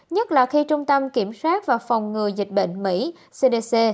nhất là khi trung tâm kiểm soát và phòng ngừa dịch bệnh mỹ cdc